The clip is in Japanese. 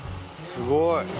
すごい。